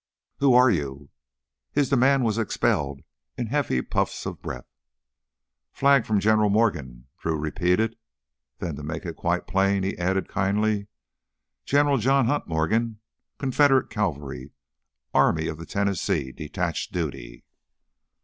"Who ... are ... you?" His demand was expelled in heavy puffs of breath. "Flag from General Morgan," Drew repeated. Then to make it quite plain, he added kindly, "General John Hunt Morgan, Confederate Cavalry, Army of the Tennessee, detached duty."